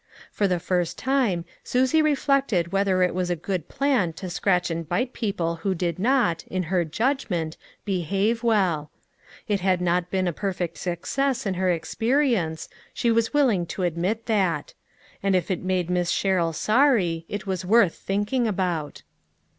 For the first time, Susie reflected whether it was a good plan to scratch and bite people who did not, in her judgment, behave well. It had not been a perfect success in her experience, she was willing to admit that; and if it made Miss O ' Sherrill sorry, it was worth thinking about.